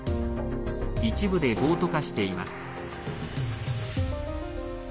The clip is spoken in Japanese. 一部で暴徒化しています。